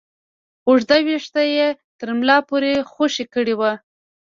اوږده ويښته يې تر ملا پورې خوشې کړي وو.